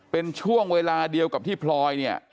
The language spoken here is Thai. เป็นช่วงเวลาเดียวกับที่พลอยเนี่ย